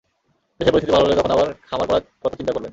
দেশের পরিস্থিতি ভালো হলে তখন আবার খামার করার কথা চিন্তা করবেন।